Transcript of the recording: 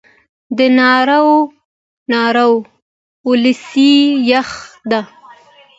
د ناور ولسوالۍ یخه ده